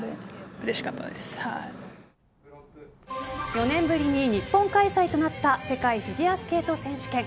４年ぶりに日本開催となった世界フィギュアスケート選手権。